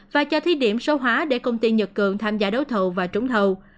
và cho thí điểm số hóa để công ty nhật cường tham gia đấu thầu và trúng thầu